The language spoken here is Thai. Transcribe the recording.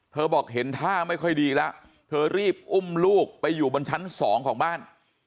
บอกเห็นท่าไม่ค่อยดีแล้วเธอรีบอุ้มลูกไปอยู่บนชั้นสองของบ้าน